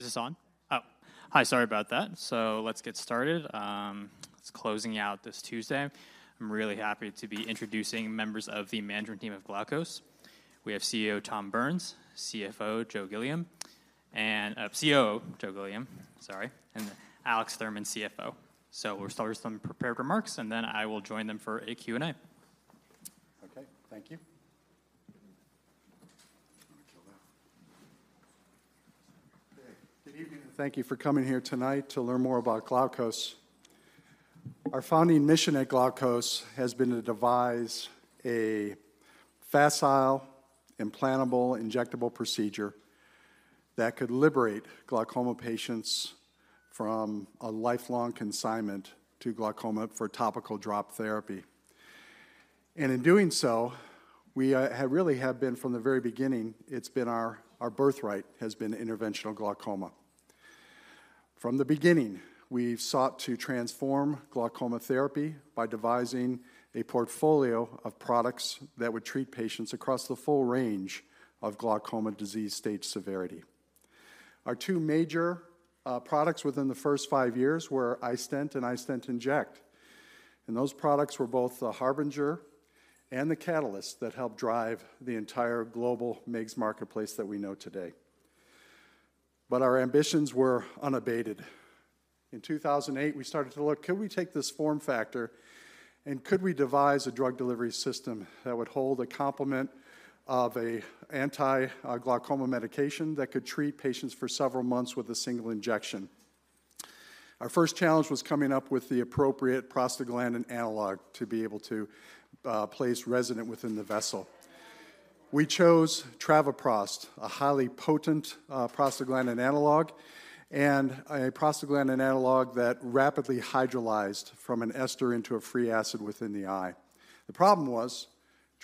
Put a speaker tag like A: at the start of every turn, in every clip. A: Is this on? Oh, hi, sorry about that. So let's get started. It's closing out this Tuesday. I'm really happy to be introducing members of the management team of Glaukos. We have CEO Tom Burns, CFO Joe Gilliam, and COO Joe Gilliam, sorry, and Alex Thurman, CFO. So we'll start with some prepared remarks, and then I will join them for a Q&A.
B: Okay, thank you. Good evening, and thank you for coming here tonight to learn more about Glaukos. Our founding mission at Glaukos has been to devise a facile, implantable, injectable procedure that could liberate glaucoma patients from a lifelong consignment to glaucoma for topical drop therapy. And in doing so, we, have really have been from the very beginning, it's been our, our birthright has been interventional glaucoma. From the beginning, we've sought to transform glaucoma therapy by devising a portfolio of products that would treat patients across the full range of glaucoma disease stage severity. Our two major, products within the first five years were iStent and iStent inject, and those products were both the harbinger and the catalyst that helped drive the entire global MIGS marketplace that we know today. But our ambitions were unabated. In 2008, we started to look, could we take this form factor, and could we devise a drug delivery system that would hold a complement of an anti-glaucoma medication that could treat patients for several months with a single injection? Our first challenge was coming up with the appropriate prostaglandin analog to be able to place resident within the vessel. We chose travoprost, a highly potent prostaglandin analog and a prostaglandin analog that rapidly hydrolyzed from an ester into a free acid within the eye. The problem was,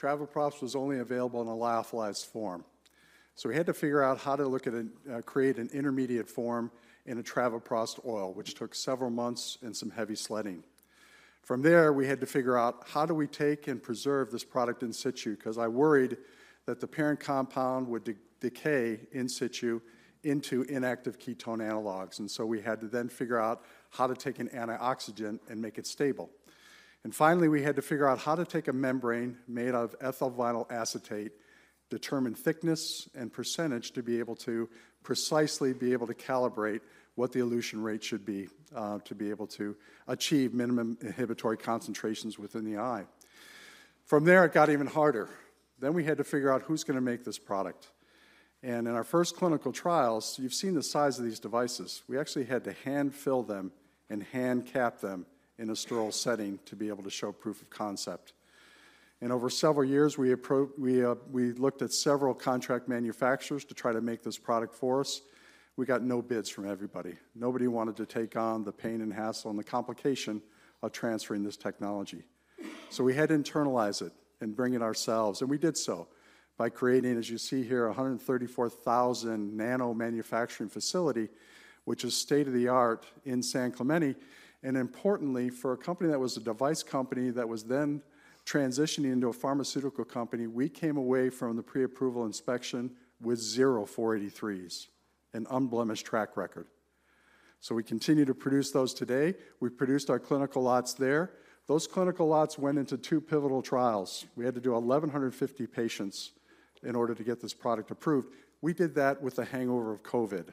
B: travoprost was only available in a lyophilized form. So we had to figure out how to look at and create an intermediate form in a travoprost oil, which took several months and some heavy sledding. From there, we had to figure out how do we take and preserve this product in situ, 'cause I worried that the parent compound would de-decay in situ into inactive ketone analogs. And so we had to then figure out how to take an antioxidant and make it stable. And finally, we had to figure out how to take a membrane made of ethyl vinyl acetate, determine thickness and percentage to be able to precisely be able to calibrate what the elution rate should be, to be able to achieve minimum inhibitory concentrations within the eye. From there, it got even harder. Then we had to figure out who's gonna make this product. And in our first clinical trials, you've seen the size of these devices. We actually had to hand-fill them and hand-cap them in a sterile setting to be able to show proof of concept. Over several years, we looked at several contract manufacturers to try to make this product for us. We got no bids from everybody. Nobody wanted to take on the pain and hassle and the complication of transferring this technology. So we had to internalize it and bring it ourselves, and we did so by creating, as you see here, a 134,000 manufacturing facility, which is state-of-the-art in San Clemente. Importantly, for a company that was a device company that was then transitioning into a pharmaceutical company, we came away from the pre-approval inspection with zero 483s, an unblemished track record. We continue to produce those today. We've produced our clinical lots there. Those clinical lots went into two pivotal trials. We had to do 1,150 patients in order to get this product approved. We did that with a hangover of COVID.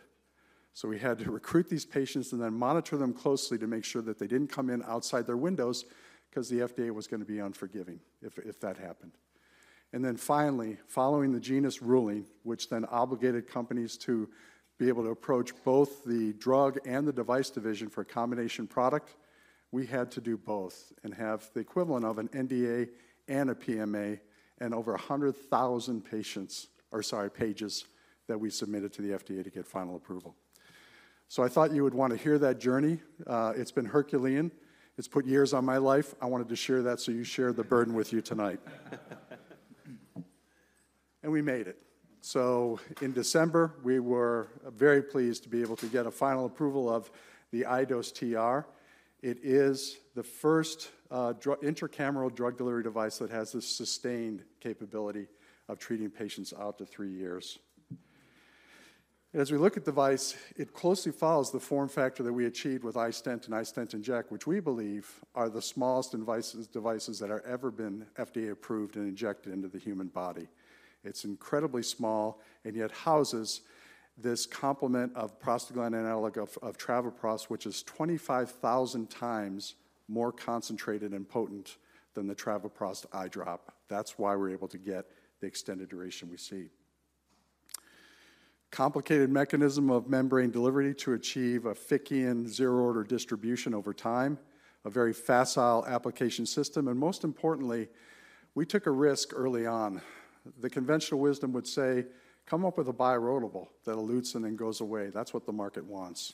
B: So we had to recruit these patients and then monitor them closely to make sure that they didn't come in outside their windows because the FDA was gonna be unforgiving if that happened. And then finally, following the Genus ruling, which then obligated companies to be able to approach both the drug and the device division for a combination product, we had to do both and have the equivalent of an NDA and a PMA and over 100,000 pages that we submitted to the FDA to get final approval. So I thought you would want to hear that journey. It's been Herculean. It's put years on my life. I wanted to share that, so you share the burden with you tonight. And we made it. So in December, we were very pleased to be able to get a final approval of the iDose TR. It is the first intracameral drug delivery device that has the sustained capability of treating patients out to three years. As we look at the device, it closely follows the form factor that we achieved with iStent and iStent inject, which we believe are the smallest devices, devices that are ever been FDA approved and injected into the human body. It's incredibly small and yet houses this complement of prostaglandin analog of travoprost, which is 25,000 times more concentrated and potent than the travoprost eye drop. That's why we're able to get the extended duration we see. Complicated mechanism of membrane delivery to achieve a Fickian zero-order distribution over time, a very facile application system, and most importantly, we took a risk early on. The conventional wisdom would say, "Come up with a bioerodible that elutes and then goes away. That's what the market wants."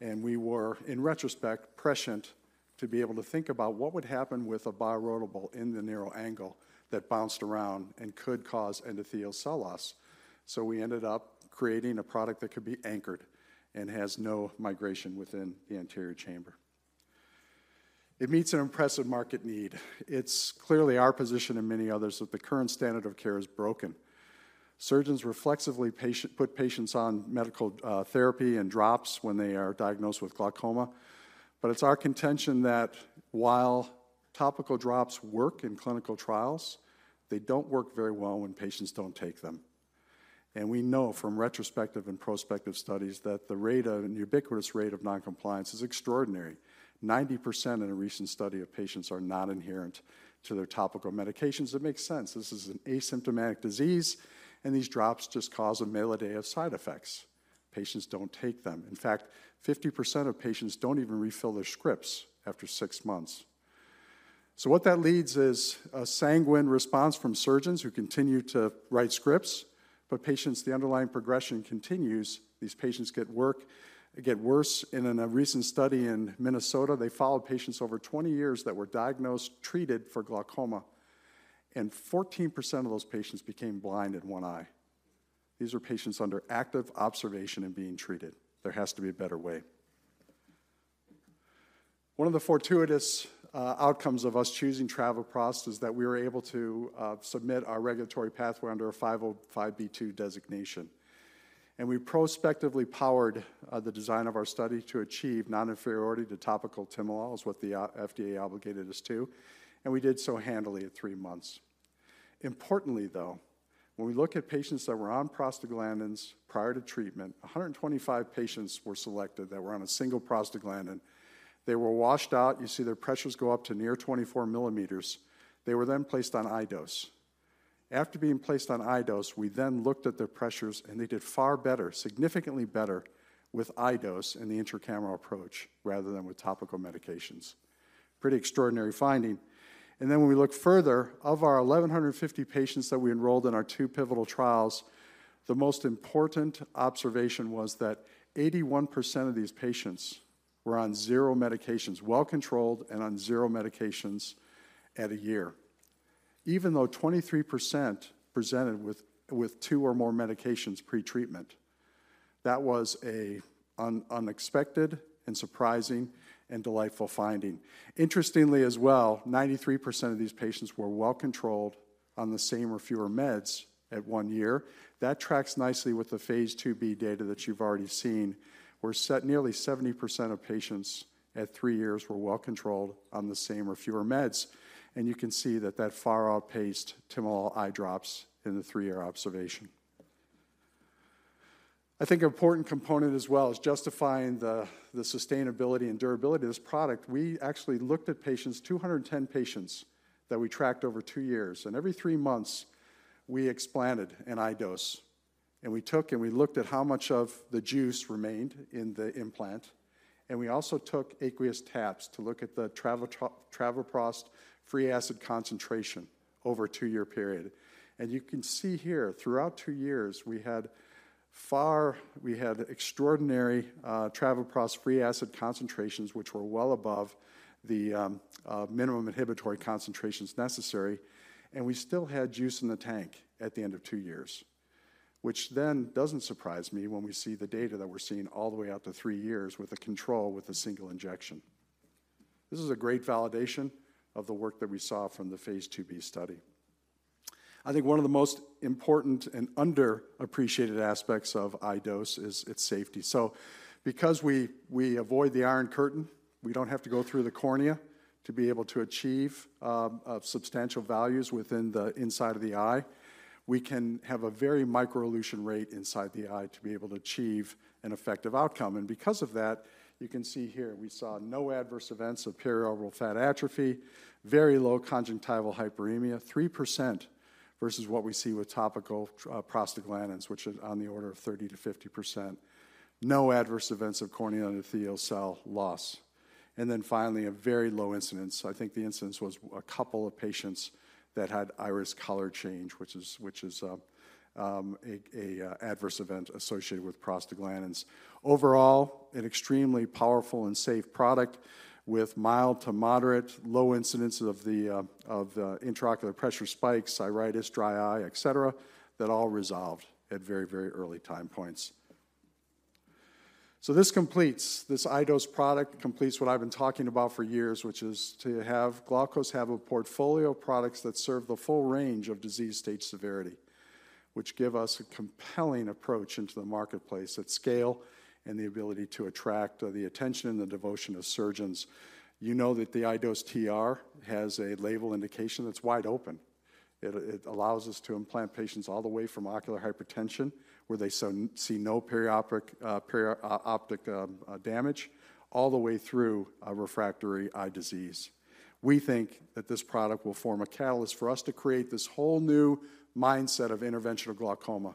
B: And we were, in retrospect, prescient to be able to think about what would happen with a bioerodible in the narrow angle that bounced around and could cause endothelial cell loss. So we ended up creating a product that could be anchored and has no migration within the anterior chamber. It meets an impressive market need. It's clearly our position and many others, that the current standard of care is broken. Surgeons reflexively put patients on medical therapy and drops when they are diagnosed with glaucoma. But it's our contention that while topical drops work in clinical trials, they don't work very well when patients don't take them. And we know from retrospective and prospective studies that the rate of, the ubiquitous rate of non-compliance is extraordinary. 90% in a recent study of patients are not adherent to their topical medications. It makes sense. This is an asymptomatic disease, and these drops just cause a melee of side effects. Patients don't take them. In fact, 50% of patients don't even refill their scripts after six months. So what that leads is a sanguine response from surgeons who continue to write scripts, but patients, the underlying progression continues. These patients get work, get worse. And in a recent study in Minnesota, they followed patients over 20 years that were diagnosed, treated for glaucoma, and 14% of those patients became blind in one eye. These are patients under active observation and being treated. There has to be a better way. One of the fortuitous outcomes of us choosing travoprost is that we were able to submit our regulatory pathway under a 505(b)(2) designation. We prospectively powered the design of our study to achieve non-inferiority to topical timolol, is what the FDA obligated us to, and we did so handily at three months. Importantly, though, when we look at patients that were on prostaglandins prior to treatment, 125 patients were selected that were on a single prostaglandin. They were washed out. You see their pressures go up to near 24mm. They were then placed on iDose. After being placed on iDose, we then looked at their pressures, and they did far better, significantly better, with iDose and the intracameral approach rather than with topical medications. Pretty extraordinary finding. Then when we look further, of our 1,150 patients that we enrolled in our two pivotal trials, the most important observation was that 81% of these patients were on zero medications, well-controlled and on zero medications at one year, even though 23% presented with two or more medications pre-treatment. That was an unexpected and surprising and delightful finding. Interestingly as well, 93% of these patients were well-controlled on the same or fewer meds at one year. That tracks nicely with the phase II-B data that you've already seen, where nearly 70% of patients at three years were well-controlled on the same or fewer meds, and you can see that that far outpaced timolol eye drops in the 3-year observation. I think an important component as well is justifying the sustainability and durability of this product. We actually looked at patients, 210 patients, that we tracked over two years, and every three months, we explanted an iDose, and we took, and we looked at how much of the juice remained in the implant, and we also took aqueous taps to look at the travoprost free acid concentration over a two-year period. You can see here, throughout two years, we had extraordinary travoprost free acid concentrations, which were well above the minimum inhibitory concentrations necessary, and we still had juice in the tank at the end of two years, which then doesn't surprise me when we see the data that we're seeing all the way out to three years with a control, with a single injection. This is a great validation of the work that we saw from the phase II-B study. I think one of the most important and underappreciated aspects of iDose is its safety. So because we, we avoid the iron curtain, we don't have to go through the cornea to be able to achieve, substantial values within the inside of the eye. We can have a very microelution rate inside the eye to be able to achieve an effective outcome. And because of that, you can see here, we saw no adverse events of periorbital fat atrophy, very low conjunctival hyperemia, 3% versus what we see with topical, prostaglandins, which is on the order of 30%-50%. No adverse events of corneal endothelial cell loss. And then finally, a very low incidence. So I think the incidence was a couple of patients that had iris color change, which is, which is, a, a, adverse event associated with prostaglandins. Overall, an extremely powerful and safe product with mild to moderate, low incidence of the intraocular pressure spikes, iritis, dry eye, et cetera, that all resolved at very, very early time points. So this completes, this iDose product completes what I've been talking about for years, which is to have Glaukos have a portfolio of products that serve the full range of disease stage severity, which give us a compelling approach into the marketplace at scale and the ability to attract the attention and the devotion of surgeons. You know that the iDose TR has a label indication that's wide open. It allows us to implant patients all the way from ocular hypertension, where they see no optic damage, all the way through a refractory eye disease. We think that this product will form a catalyst for us to create this whole new mindset of interventional glaucoma,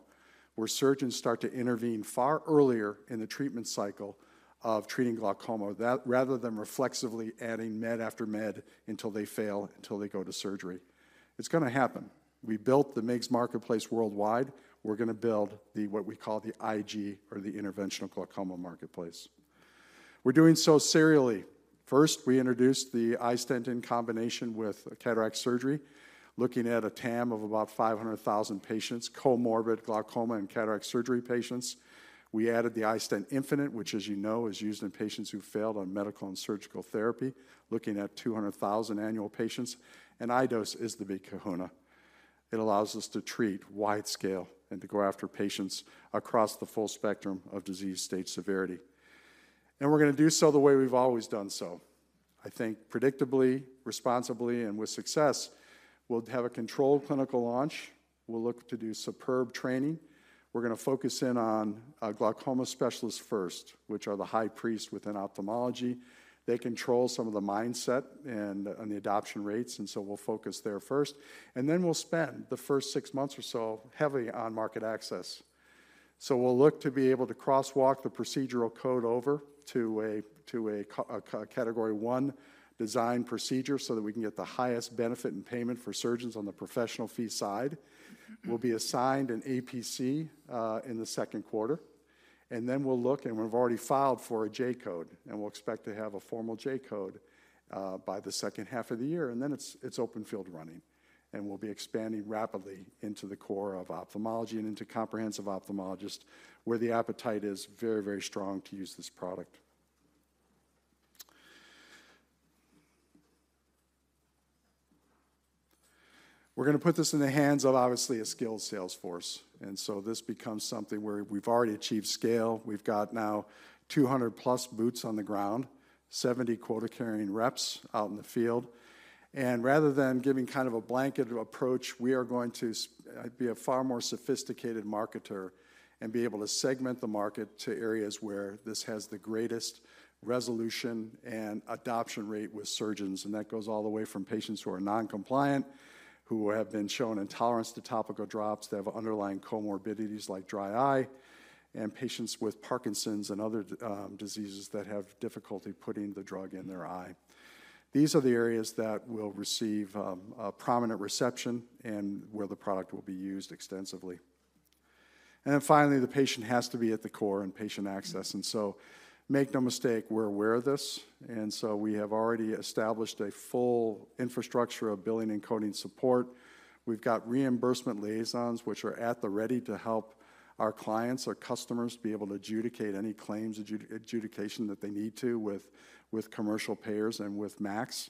B: where surgeons start to intervene far earlier in the treatment cycle of treating glaucoma, that rather than reflexively adding med after med until they fail, until they go to surgery. It's gonna happen. We built the MIGS marketplace worldwide. We're gonna build the, what we call the IG or the interventional glaucoma marketplace. We're doing so serially. First, we introduced the iStent in combination with cataract surgery, looking at a TAM of about 500,000 patients, comorbid glaucoma and cataract surgery patients. We added the iStent infinite, which, as you know, is used in patients who failed on medical and surgical therapy, looking at 200,000 annual patients, and iDose is the big kahuna. It allows us to treat wide scale and to go after patients across the full spectrum of disease state severity. We're gonna do so the way we've always done so. I think predictably, responsibly, and with success, we'll have a controlled clinical launch. We'll look to do superb training. We're gonna focus in on glaucoma specialists first, which are the high priests within ophthalmology. They control some of the mindset and on the adoption rates, and so we'll focus there first, and then we'll spend the first six months or so heavily on market access. So we'll look to be able to crosswalk the procedural code over to a Category I designated procedure so that we can get the highest benefit and payment for surgeons on the professional fee side. We'll be assigned an APC in the second quarter, and then we'll look, and we've already filed for a J-code, and we'll expect to have a formal J-code by the second half of the year, and then it's open field running. We'll be expanding rapidly into the core of ophthalmology and into comprehensive ophthalmologists, where the appetite is very, very strong to use this product. We're gonna put this in the hands of obviously a skilled sales force, and so this becomes something where we've already achieved scale. We've got now 200+ boots on the ground, 70 quota-carrying reps out in the field. Rather than giving kind of a blanket approach, we are going to be a far more sophisticated marketer and be able to segment the market to areas where this has the greatest resolution and adoption rate with surgeons, and that goes all the way from patients who are non-compliant, who have been shown intolerance to topical drops, that have underlying comorbidities like dry eye, and patients with Parkinson's and other diseases that have difficulty putting the drug in their eye. These are the areas that will receive a prominent reception and where the product will be used extensively. Then finally, the patient has to be at the core in patient access, and so make no mistake, we're aware of this, and so we have already established a full infrastructure of billing and coding support. We've got reimbursement liaisons, which are at the ready to help our clients, our customers, be able to adjudicate any claims adjudication that they need to with commercial payers and with MACs.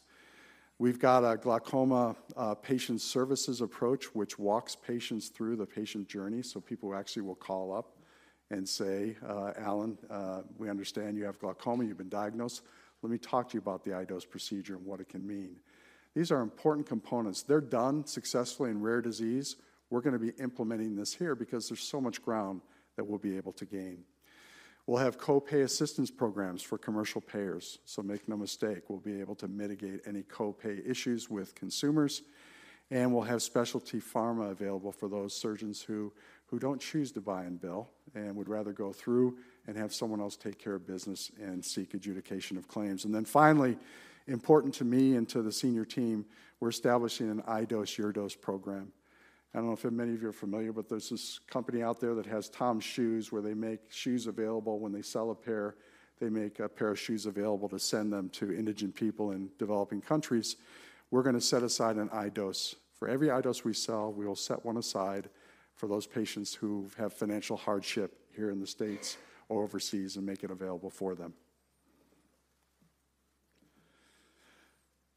B: We've got a glaucoma patient services approach, which walks patients through the patient journey. So people actually will call up and say, "Allen, we understand you have glaucoma. You've been diagnosed. Let me talk to you about the iDose procedure and what it can mean." These are important components. They're done successfully in rare disease. We're gonna be implementing this here because there's so much ground that we'll be able to gain. We'll have co-pay assistance programs for commercial payers, so make no mistake, we'll be able to mitigate any co-pay issues with consumers, and we'll have specialty pharma available for those surgeons who don't choose to buy and bill and would rather go through and have someone else take care of business and seek adjudication of claims. And then finally, important to me and to the senior team, we're establishing an iDose Your Dose program. I don't know if many of you are familiar, but there's this company out there that has TOMS shoes, where they make shoes available. When they sell a pair, they make a pair of shoes available to send them to indigent people in developing countries. We're gonna set aside an iDose. For every iDose we sell, we will set one aside for those patients who have financial hardship here in the States or overseas and make it available for them.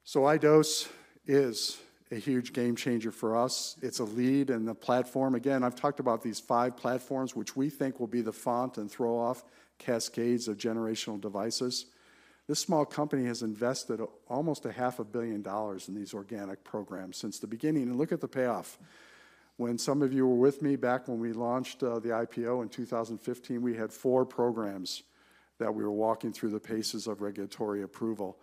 B: So iDose is a huge game changer for us. It's a lead in the platform. Again, I've talked about these five platforms, which we think will be the font and throw off cascades of generational devices. This small company has invested almost $500 million in these organic programs since the beginning, and look at the payoff. When some of you were with me back when we launched the IPO in 2015, we had four programs that we were walking through the paces of regulatory approval.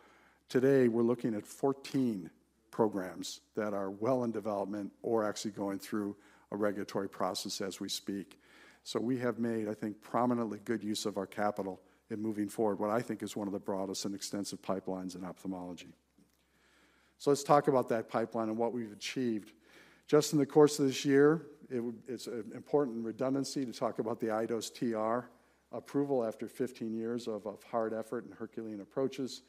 B: Today, we're looking at 14 programs that are well in development or actually going through a regulatory process as we speak. So we have made, I think, prominently good use of our capital in moving forward what I think is one of the broadest and extensive pipelines in ophthalmology. So let's talk about that pipeline and what we've achieved. Just in the course of this year, it's an important redundancy to talk about the iDose TR approval after 15 years of, of hard effort and Herculean approaches.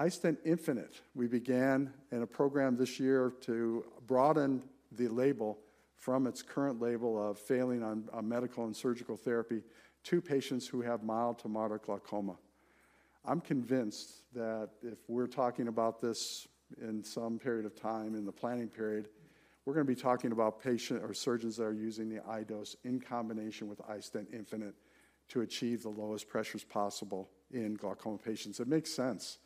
B: iStent infinite, we began in a program this year to broaden the label from its current label of failing on, on medical and surgical therapy to patients who have mild to moderate glaucoma. I'm convinced that if we're talking about this in some period of time in the planning period, we're gonna be talking about patient or surgeons that are using the iDose in combination with iStent infinite to achieve the lowest pressures possible in glaucoma patients. It makes sense.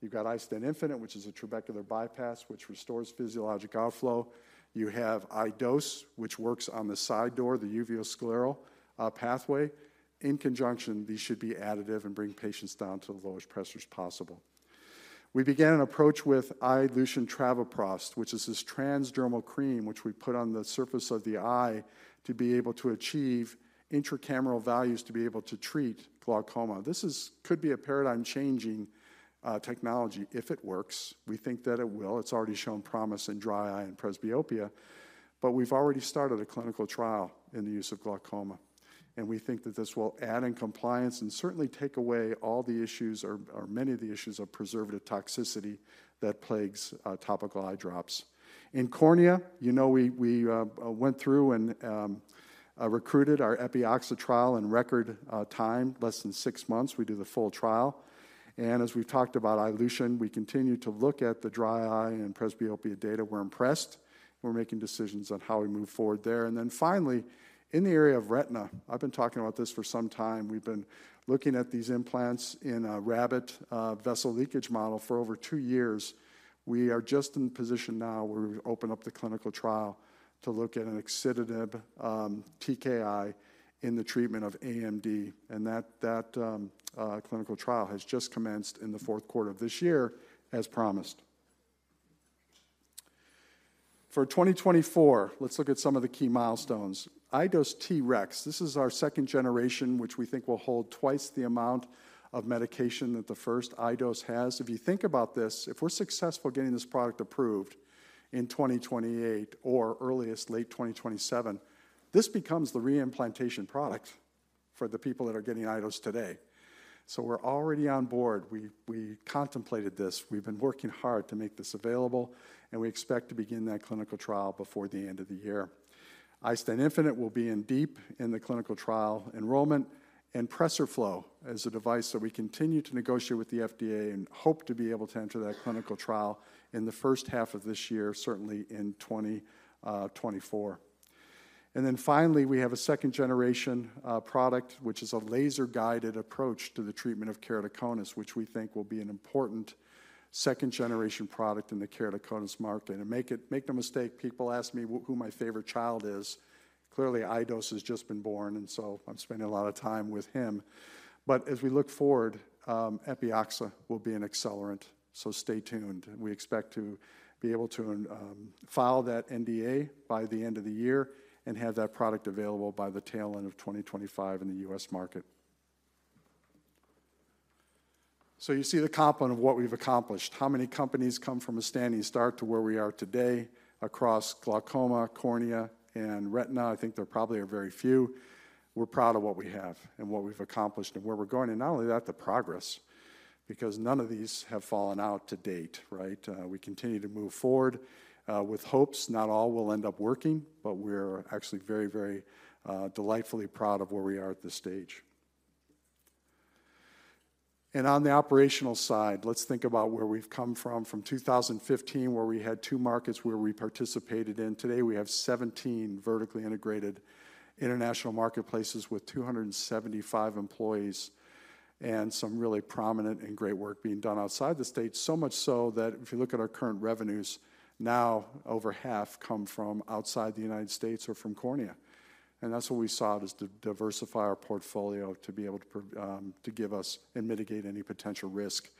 B: You've got iStent infinite, which is a trabecular bypass, which restores physiologic outflow. You have iDose, which works on the side door, the uveoscleral pathway. In conjunction, these should be additive and bring patients down to the lowest pressures possible. We began an approach with iLution travoprost, which is this transdermal cream, which we put on the surface of the eye to be able to achieve intracameral values to be able to treat glaucoma. This is- could be a paradigm-changing technology if it works. We think that it will. It's already shown promise in dry eye and presbyopia, but we've already started a clinical trial in the use of glaucoma.... and we think that this will add in compliance and certainly take away all the issues or, or many of the issues of preservative toxicity that plagues topical eye drops. In cornea, you know, we went through and recruited our Epioxa trial in record time, less than six months, we did the full trial. And as we've talked about iLution, we continue to look at the dry eye and presbyopia data. We're impressed, we're making decisions on how we move forward there. And then finally, in the area of retina, I've been talking about this for some time. We've been looking at these implants in a rabbit vessel leakage model for over two years. We are just in position now where we've opened up the clinical trial to look at an Axitinib TKI in the treatment of AMD, and that clinical trial has just commenced in the fourth quarter of this year, as promised. For 2024, let's look at some of the key milestones. iDose TREX, this is our second generation, which we think will hold twice the amount of medication that the first iDose has. If you think about this, if we're successful getting this product approved in 2028 or earliest late 2027, this becomes the re-implantation product for the people that are getting iDose today. So we're already on board. We, we contemplated this. We've been working hard to make this available, and we expect to begin that clinical trial before the end of the year. iStent infinite will be deep in the clinical trial enrollment and PRESERFLO as a device that we continue to negotiate with the FDA and hope to be able to enter that clinical trial in the first half of this year, certainly in 2024. And then finally, we have a second-generation product, which is a laser-guided approach to the treatment of keratoconus, which we think will be an important second-generation product in the keratoconus market. Make no mistake, people ask me who my favorite child is. Clearly, iDose has just been born, and so I'm spending a lot of time with him. But as we look forward, Epioxa will be an accelerant, so stay tuned. We expect to be able to file that NDA by the end of the year and have that product available by the tail end of 2025 in the U.S. market. So you see the component of what we've accomplished, how many companies come from a standing start to where we are today across glaucoma, cornea, and retina? I think there probably are very few. We're proud of what we have and what we've accomplished and where we're going, and not only that, the progress, because none of these have fallen out to date, right? We continue to move forward with hopes not all will end up working, but we're actually very, very delightfully proud of where we are at this stage. And on the operational side, let's think about where we've come from. From 2015, where we had two markets where we participated in, today, we have 17 vertically integrated international marketplaces with 275 employees and some really prominent and great work being done outside the state. So much so that if you look at our current revenues, now, over half come from outside the United States or from cornea. That's what we saw, was to diversify our portfolio, to be able to to give us and mitigate any potential risk.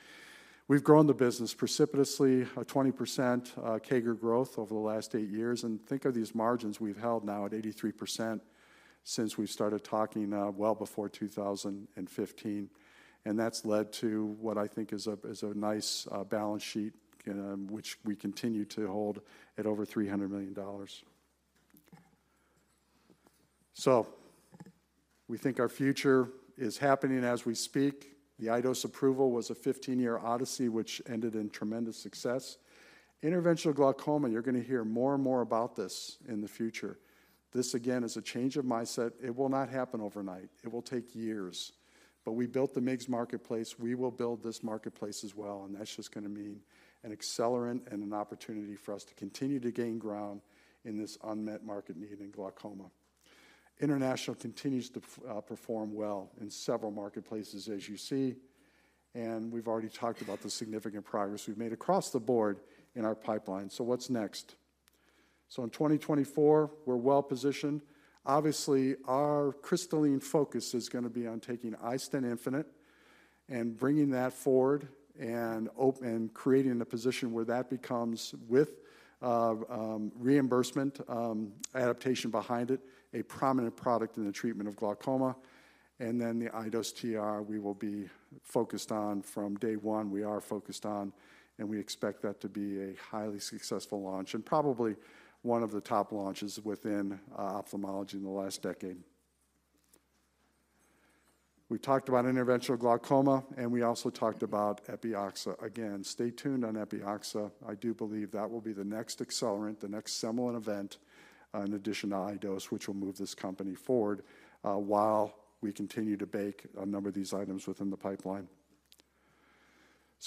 B: We've grown the business precipitously, a 20% CAGR growth over the last 8 years, and think of these margins we've held now at 83% since we started talking, well before 2015. That's led to what I think is a nice balance sheet, which we continue to hold at over $300 million. So we think our future is happening as we speak. The iDose approval was a 15-year odyssey, which ended in tremendous success. Interventional glaucoma, you're gonna hear more and more about this in the future. This, again, is a change of mindset. It will not happen overnight. It will take years. But we built the MIGS marketplace. We will build this marketplace as well, and that's just gonna mean an accelerant and an opportunity for us to continue to gain ground in this unmet market need in glaucoma. International continues to perform well in several marketplaces, as you see, and we've already talked about the significant progress we've made across the board in our pipeline. So what's next? In 2024, we're well positioned. Obviously, our crystalline focus is gonna be on taking iStent infinite and bringing that forward and creating a position where that becomes with reimbursement, adaptation behind it, a prominent product in the treatment of glaucoma. Then the iDose TR we will be focused on from day one, we are focused on, and we expect that to be a highly successful launch and probably one of the top launches within ophthalmology in the last decade. We talked about interventional glaucoma, and we also talked about Epioxa. Again, stay tuned on Epioxa. I do believe that will be the next accelerant, the next seminal event in addition to iDose, which will move this company forward while we continue to bake a number of these items within the pipeline.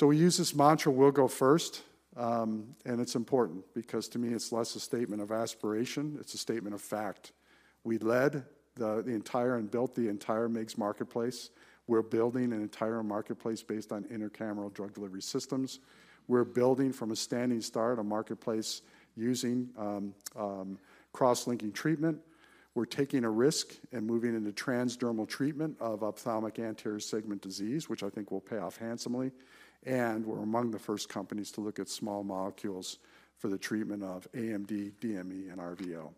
B: We use this mantra, "We'll go first," and it's important because to me, it's less a statement of aspiration, it's a statement of fact. We led the entire and built the entire MIGS marketplace. We're building an entire marketplace based on intracameral drug delivery systems. We're building from a standing start, a marketplace using cross-linking treatment. We're taking a risk and moving into transdermal treatment of ophthalmic anterior segment disease, which I think will pay off handsomely. And we're among the first companies to look at small molecules for the treatment of AMD, DME, and RVO.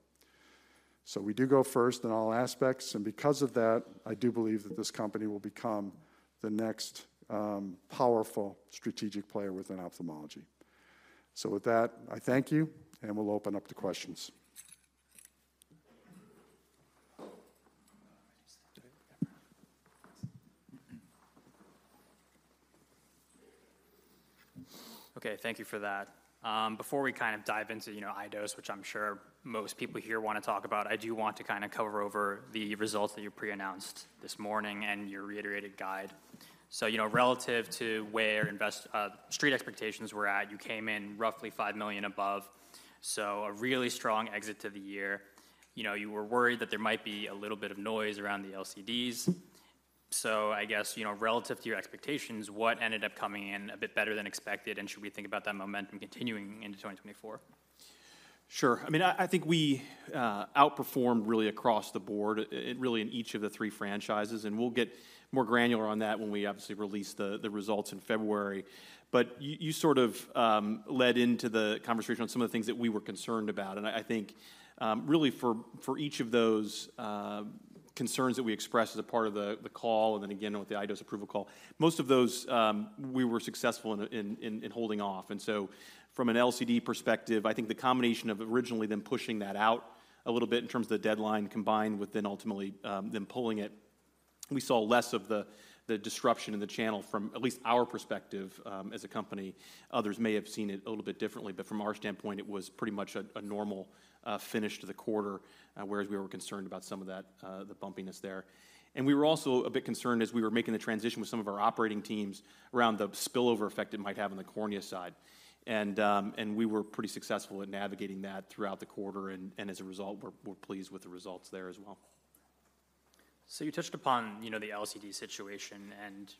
B: So we do go first in all aspects, and because of that, I do believe that this company will become the next powerful strategic player within ophthalmology. ...With that, I thank you, and we'll open up to questions.
A: Okay, thank you for that. Before we kind of dive into, you know, iDose, which I'm sure most people here want to talk about, I do want to kind of cover over the results that you pre-announced this morning and your reiterated guide. So, you know, relative to where investor street expectations were at, you came in roughly $5 million above, so a really strong exit to the year. You know, you were worried that there might be a little bit of noise around the LCDs. So I guess, you know, relative to your expectations, what ended up coming in a bit better than expected, and should we think about that momentum continuing into 2024?
C: Sure. I mean, I think we outperformed really across the board, it really in each of the three franchises, and we'll get more granular on that when we obviously release the results in February. But you sort of led into the conversation on some of the things that we were concerned about. And I think really for each of those concerns that we expressed as a part of the call, and then again, with the iDose approval call, most of those we were successful in holding off. And so from an LCD perspective, I think the combination of originally them pushing that out a little bit in terms of the deadline, combined with then ultimately them pulling it, we saw less of the disruption in the channel from at least our perspective as a company. Others may have seen it a little bit differently, but from our standpoint, it was pretty much a normal finish to the quarter, whereas we were concerned about some of that the bumpiness there. And we were also a bit concerned as we were making the transition with some of our operating teams around the spillover effect it might have on the cornea side. And we were pretty successful in navigating that throughout the quarter, and as a result, we're pleased with the results there as well.
A: So you touched upon, you know, the LCD situation, and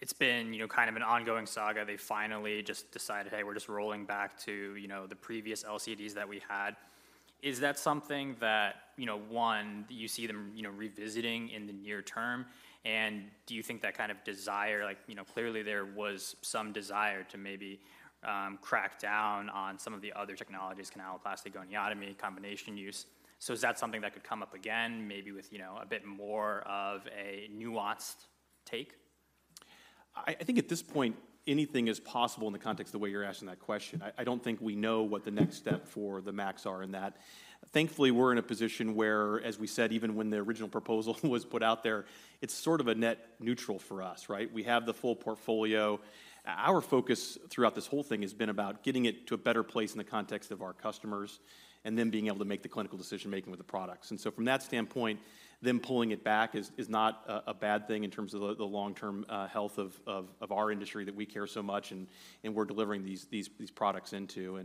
A: it's been, you know, kind of an ongoing saga. They finally just decided, "Hey, we're just rolling back to, you know, the previous LCDs that we had." Is that something that, you know, one, do you see them, you know, revisiting in the near term? And do you think that kind of desire, like, you know, clearly there was some desire to maybe, crack down on some of the other technologies, canaloplasty, goniotomy, combination use. So is that something that could come up again, maybe with, you know, a bit more of a nuanced take?
C: I think at this point, anything is possible in the context of the way you're asking that question. I don't think we know what the next step for the MACs are in that. Thankfully, we're in a position where, as we said, even when the original proposal was put out there, it's sort of a net neutral for us, right? We have the full portfolio. Our focus throughout this whole thing has been about getting it to a better place in the context of our customers, and then being able to make the clinical decision-making with the products. And so from that standpoint, them pulling it back is not a bad thing in terms of the long-term health of our industry that we care so much and we're delivering these products into.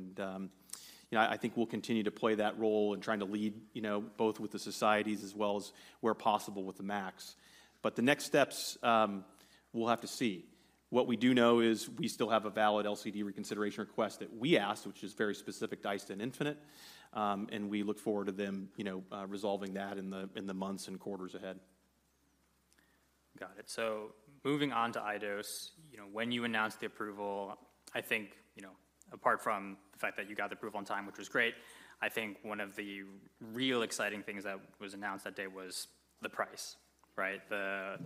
C: You know, I think we'll continue to play that role in trying to lead, you know, both with the societies as well as where possible with the MACs. But the next steps, we'll have to see. What we do know is we still have a valid LCD reconsideration request that we asked, which is very specific, iStent inject and iStent infinite. And we look forward to them, you know, resolving that in the months and quarters ahead.
A: Got it. So moving on to iDose, you know, when you announced the approval, I think, you know, apart from the fact that you got the approval on time, which was great, I think one of the real exciting things that was announced that day was the price, right? The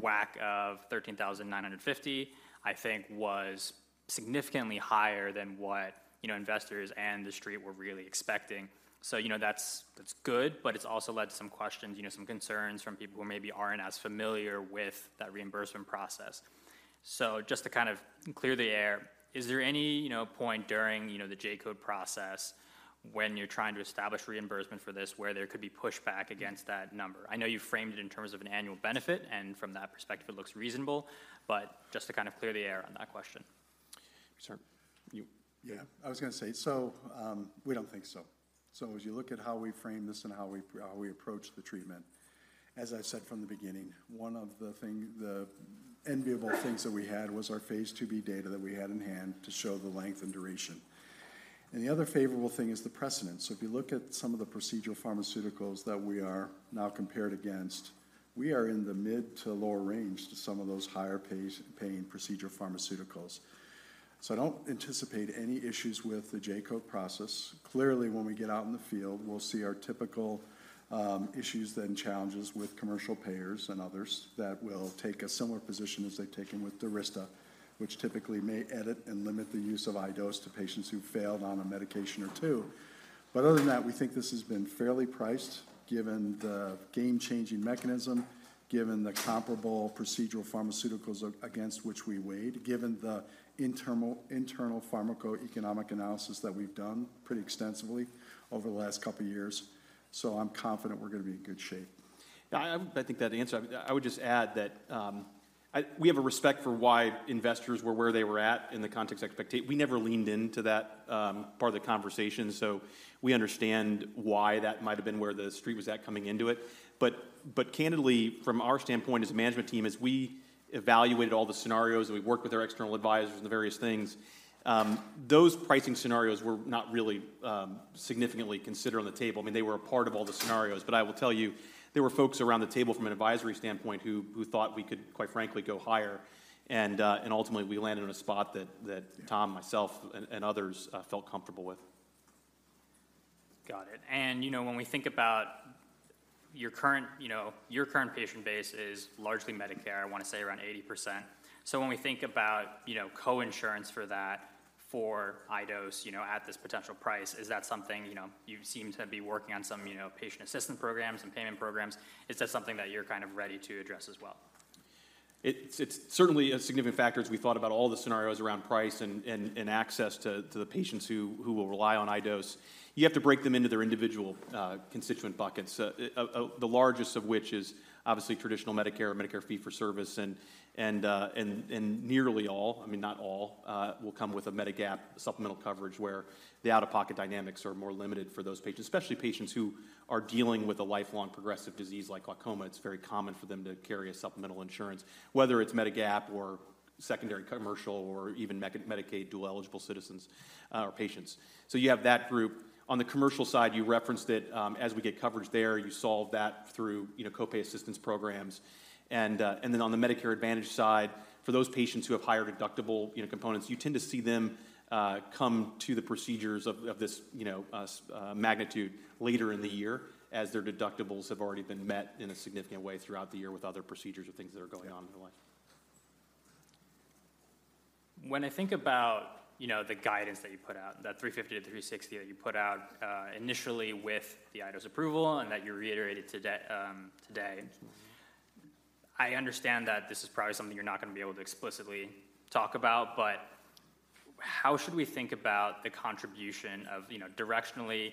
A: WAC of $13,950, I think was significantly higher than what, you know, investors and the street were really expecting. So, you know, that's, that's good, but it's also led to some questions, you know, some concerns from people who maybe aren't as familiar with that reimbursement process. So just to kind of clear the air, is there any, you know, point during, you know, the J-code process when you're trying to establish reimbursement for this, where there could be pushback against that number? I know you framed it in terms of an annual benefit, and from that perspective, it looks reasonable, but just to kind of clear the air on that question.
C: Sir, you-
B: Yeah, I was gonna say, so, we don't think so. So as you look at how we frame this and how we approach the treatment, as I've said from the beginning, one of the enviable things that we had was our phase II-B data that we had in hand to show the length and duration. And the other favorable thing is the precedent. So if you look at some of the procedural pharmaceuticals that we are now compared against, we are in the mid- to lower range to some of those higher paying procedure pharmaceuticals. So I don't anticipate any issues with the J-code process. Clearly, when we get out in the field, we'll see our typical issues then challenges with commercial payers and others that will take a similar position as they've taken with DURYSTA, which typically may edit and limit the use of iDose to patients who failed on a medication or two. But other than that, we think this has been fairly priced, given the game-changing mechanism, given the comparable procedural pharmaceuticals against which we weighed, given the internal pharmacoeconomic analysis that we've done pretty extensively over the last couple of years. So I'm confident we're gonna be in good shape.
C: Yeah, I think that answer—I would just add that, I—we have a respect for why investors were where they were at in the context expectations—we never leaned into that part of the conversation, so we understand why that might have been where the street was at coming into it. But candidly, from our standpoint as a management team, as we evaluated all the scenarios, and we worked with our external advisors on the various things, those pricing scenarios were not really significantly considered on the table. I mean, they were a part of all the scenarios, but I will tell you, there were folks around the table from an advisory standpoint who thought we could, quite frankly, go higher, and ultimately, we landed on a spot that Tom, myself, and others felt comfortable with....
A: Got it. And, you know, when we think about your current, you know, your current patient base is largely Medicare, I want to say around 80%. So when we think about, you know, coinsurance for that, for iDose, you know, at this potential price, is that something, you know, you seem to be working on some, you know, patient assistance programs and payment programs. Is that something that you're kind of ready to address as well?
C: It's certainly a significant factor as we thought about all the scenarios around price and access to the patients who will rely on iDose. You have to break them into their individual constituent buckets, the largest of which is obviously traditional Medicare or Medicare fee-for-service, and nearly all, I mean, not all, will come with a Medigap supplemental coverage, where the out-of-pocket dynamics are more limited for those patients, especially patients who are dealing with a lifelong progressive disease like glaucoma. It's very common for them to carry a supplemental insurance, whether it's Medigap or secondary commercial or even Medicaid, dual-eligible citizens, or patients. So you have that group. On the commercial side, you referenced it, as we get coverage there, you solve that through, you know, co-pay assistance programs. Then on the Medicare Advantage side, for those patients who have higher deductible, you know, components, you tend to see them come to the procedures of this, you know, magnitude later in the year as their deductibles have already been met in a significant way throughout the year with other procedures or things that are going on in their life.
A: When I think about, you know, the guidance that you put out, that $350-$360 that you put out, initially with the iDose approval and that you reiterated today, I understand that this is probably something you're not going to be able to explicitly talk about, but how should we think about the contribution of, you know, directionally,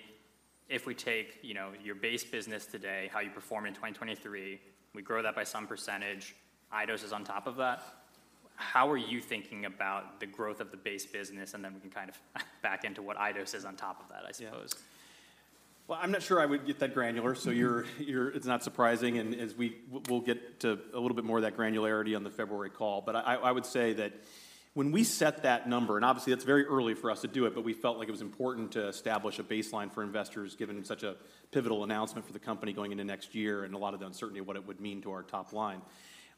A: if we take, you know, your base business today, how you perform in 2023, we grow that by some percentage, iDose is on top of that. How are you thinking about the growth of the base business, and then we can kind of back into what iDose is on top of that, I suppose?
C: Yeah. Well, I'm not sure I would get that granular, so you're—it's not surprising, and as we'll get to a little bit more of that granularity on the February call. But I would say that when we set that number, and obviously, that's very early for us to do it, but we felt like it was important to establish a baseline for investors, given such a pivotal announcement for the company going into next year and a lot of the uncertainty of what it would mean to our top line.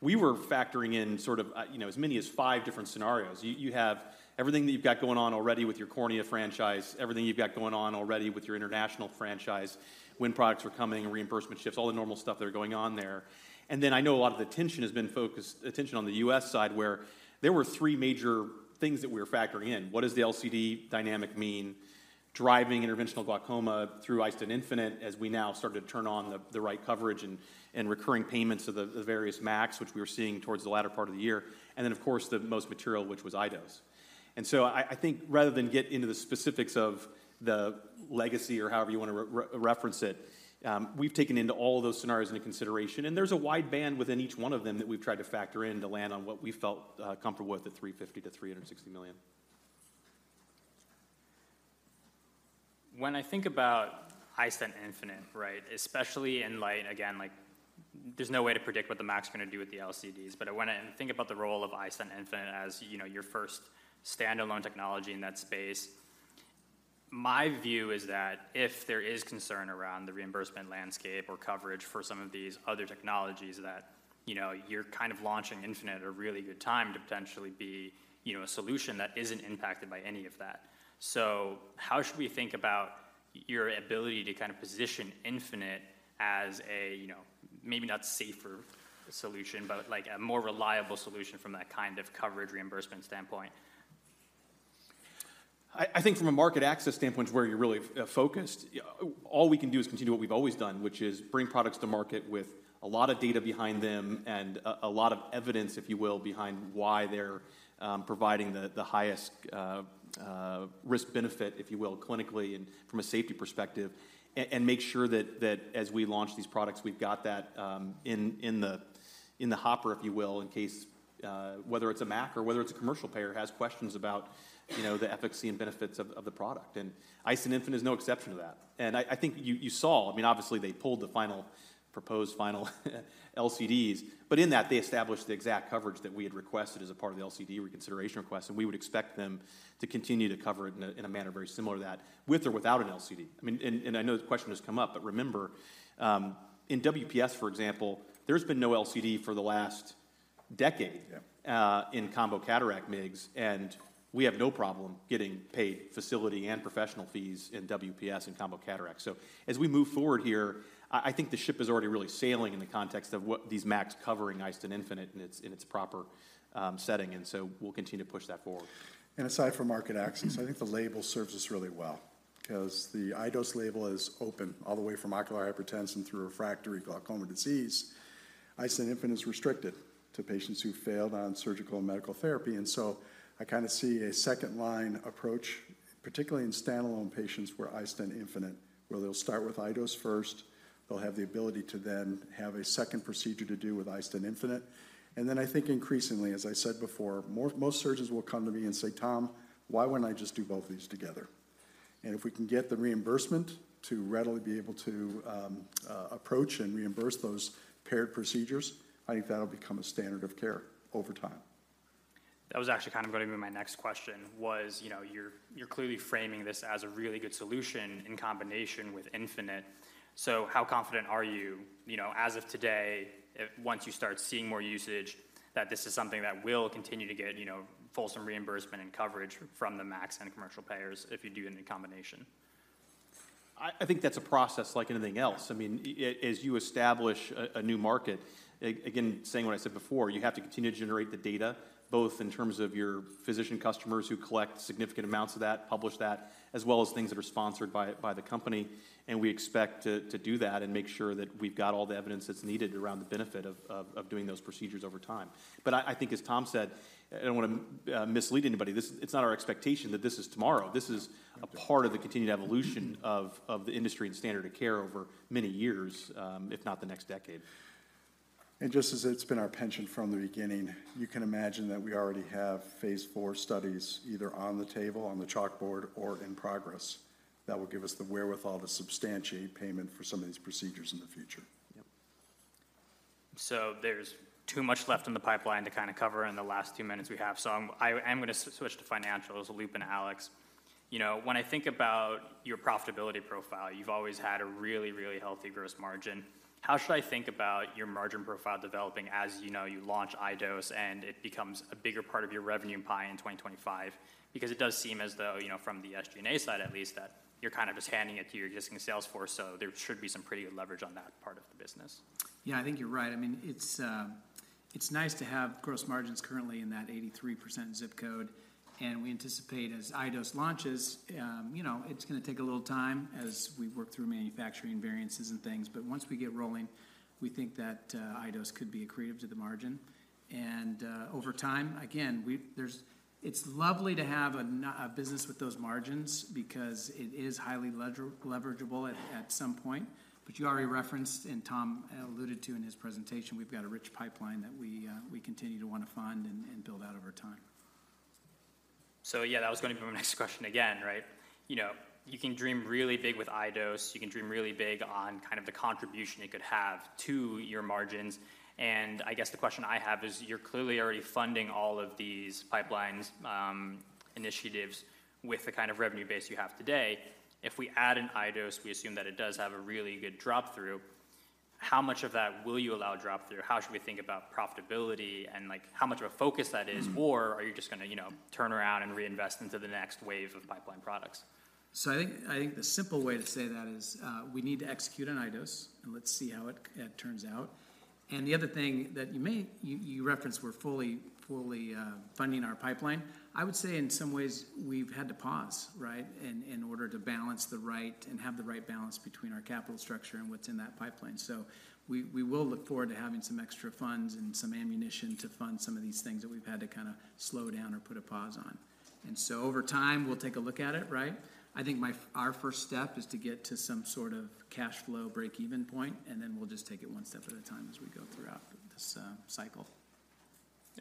C: We were factoring in sort of, you know, as many as five different scenarios. You, you have everything that you've got going on already with your cornea franchise, everything you've got going on already with your international franchise, when products are coming and reimbursement shifts, all the normal stuff that are going on there. And then I know a lot of the tension has been focused attention on the U.S. side, where there were three major things that we were factoring in. What does the LCD dynamic mean? Driving interventional glaucoma through iStent infinite, as we now start to turn on the right coverage and recurring payments of the various MACs, which we were seeing towards the latter part of the year, and then, of course, the most material, which was iDose. I think rather than get into the specifics of the legacy or however you want to reference it, we've taken into all of those scenarios into consideration, and there's a wide band within each one of them that we've tried to factor in to land on what we felt comfortable with, $350 million-$360 million.
A: When I think about iStent infinite, right, especially in light, again, like, there's no way to predict what the MAC's going to do with the LCDs, but I want to think about the role of iStent infinite as, you know, your first standalone technology in that space. My view is that if there is concern around the reimbursement landscape or coverage for some of these other technologies that, you know, you're kind of launching infinite at a really good time to potentially be, you know, a solution that isn't impacted by any of that. So how should we think about your ability to kind of position infinite as a, you know, maybe not safer solution, but like a more reliable solution from that kind of coverage reimbursement standpoint?
C: I think from a market access standpoint is where you're really focused. Yeah, all we can do is continue what we've always done, which is bring products to market with a lot of data behind them and a lot of evidence, if you will, behind why they're providing the highest risk-benefit, if you will, clinically and from a safety perspective, and make sure that as we launch these products, we've got that in the hopper, if you will, in case whether it's a MAC or whether it's a commercial payer has questions about, you know, the efficacy and benefits of the product. And iStent infinite is no exception to that. I think you saw, I mean, obviously, they pulled the final proposed final LCDs, but in that, they established the exact coverage that we had requested as a part of the LCD reconsideration request, and we would expect them to continue to cover it in a manner very similar to that, with or without an LCD. I mean, I know this question has come up, but remember, in WPS, for example, there's been no LCD for the last decade-
B: Yeah...
C: in combo cataract MIGS, and we have no problem getting paid facility and professional fees in WPS and combo cataracts. So as we move forward here, I think the ship is already really sailing in the context of what these MACs covering iStent infinite in its proper setting, and so we'll continue to push that forward.
B: Aside from market access, I think the label serves us really well because the iDose label is open all the way from ocular hypertension through refractory glaucoma disease. iStent infinite is restricted to patients who failed on surgical and medical therapy, and so I kind of see a second-line approach, particularly in standalone patients where they'll start with iDose first, they'll have the ability to then have a second procedure to do with iStent infinite. Then I think increasingly, as I said before, most surgeons will come to me and say, "Tom, why wouldn't I just do both of these together?" And if we can get the reimbursement to readily be able to approach and reimburse those paired procedures, I think that'll become a standard of care over time.
A: That was actually kind of going to be my next question was, you know, you're clearly framing this as a really good solution in combination with iStent infinite. So how confident are you, you know, as of today, if once you start seeing more usage, that this is something that will continue to get, you know, fulsome reimbursement and coverage from the MACs and commercial payers if you do it in a combination?...
C: I think that's a process like anything else. I mean, as you establish a new market, again, saying what I said before, you have to continue to generate the data, both in terms of your physician customers who collect significant amounts of that, publish that, as well as things that are sponsored by the company. And we expect to do that and make sure that we've got all the evidence that's needed around the benefit of doing those procedures over time. But I think, as Tom said, I don't wanna mislead anybody. This—It's not our expectation that this is tomorrow. This is a part of the continued evolution of the industry and standard of care over many years, if not the next decade.
B: Just as it's been our penchant from the beginning, you can imagine that we already have phase IV studies either on the table, on the chalkboard, or in progress, that will give us the wherewithal to substantiate payment for some of these procedures in the future.
C: Yep.
A: So there's too much left in the pipeline to kinda cover in the last two minutes we have. So I'm going to switch to financials, we'll loop in Alex. You know, when I think about your profitability profile, you've always had a really, really healthy gross margin. How should I think about your margin profile developing, as, you know, you launch iDose, and it becomes a bigger part of your revenue pie in 2025? Because it does seem as though, you know, from the SG&A side at least, that you're kind of just handing it to your existing sales force, so there should be some pretty good leverage on that part of the business.
D: Yeah, I think you're right. I mean, it's nice to have gross margins currently in that 83% zip code, and we anticipate as iDose launches, you know, it's gonna take a little time as we work through manufacturing variances and things. But once we get rolling, we think that iDose could be accretive to the margin. And over time, again, it's lovely to have a business with those margins because it is highly leveragable at some point. But you already referenced, and Tom alluded to in his presentation, we've got a rich pipeline that we continue to want to fund and build out over time.
A: So yeah, that was gonna be my next question again, right? You know, you can dream really big with iDose. You can dream really big on kind of the contribution it could have to your margins. And I guess the question I have is, you're clearly already funding all of these pipelines, initiatives with the kind of revenue base you have today. If we add in iDose, we assume that it does have a really good drop-through. How much of that will you allow drop-through? How should we think about profitability and, like, how much of a focus that is? Or are you just gonna, you know, turn around and reinvest into the next wave of pipeline products?
D: So I think the simple way to say that is, we need to execute on iDose, and let's see how it turns out. And the other thing that you may. You referenced, we're fully funding our pipeline. I would say in some ways, we've had to pause, right? In order to balance the right and have the right balance between our capital structure and what's in that pipeline. So we will look forward to having some extra funds and some ammunition to fund some of these things that we've had to kinda slow down or put a pause on. And so over time, we'll take a look at it, right? I think our first step is to get to some sort of cash flow break-even point, and then we'll just take it one step at a time as we go throughout this cycle.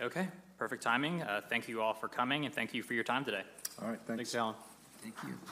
A: Okay, perfect timing. Thank you all for coming, and thank you for your time today.
B: All right, thanks.
C: Thanks, Allen.
D: Thank you.